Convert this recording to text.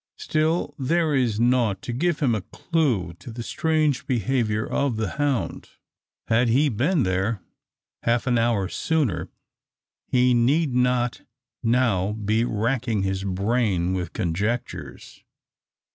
Still there is nought to give him a clue to the strange behaviour of the hound. Had he been there half an hour sooner, he need not now be racking his brain with conjectures.